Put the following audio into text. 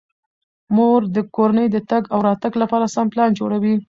مور د کورنۍ د تګ او راتګ لپاره سم پلان جوړوي.